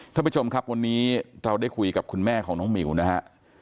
ท่านผู้ชมครับวันนี้เราได้คุยกับคุณแม่ของน้องหมิวนะฮะ